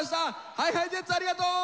ＨｉＨｉＪｅｔｓありがとう！